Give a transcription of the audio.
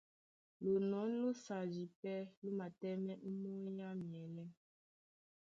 Lonɔ̌n lósadi pɛ́ ló matɛ́mɛ́ ómɔ́ny á myelé.